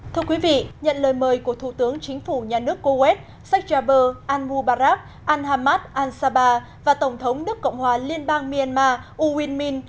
thưa quý vị nhận lời mời của thủ tướng chính phủ nhà nước cô quét sách chà bơ an mưu bà rác an hamad an saba và tổng thống đức cộng hòa liên bang myanmar u win min